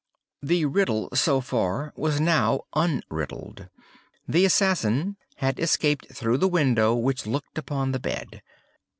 "The riddle, so far, was now unriddled. The assassin had escaped through the window which looked upon the bed.